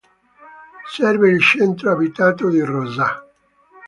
Serve il centro abitato di Rosà.